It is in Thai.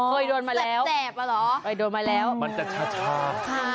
อ๋อเคยโดนมาแล้วแบบแบบอ่ะหรอเคยโดนมาแล้วมันจะช้าค่ะ